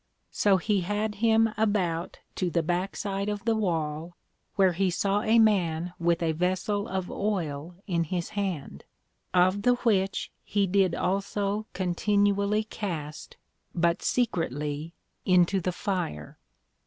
So he had him about to the backside of the wall, where he saw a man with a Vessel of Oil in his hand, of the which he did also continually cast (but secretly) into the Fire.